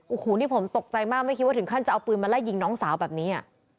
โอ้โหนี่ผมตกใจมากไม่คิดว่าถึงขั้นจะเอาปืนมาไล่ยิงน้องสาวแบบนี้